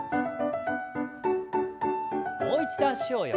もう一度脚を横に。